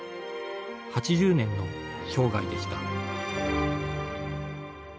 ８０年の生涯でした。